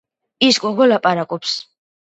ის გოგო ლაპარაკობს.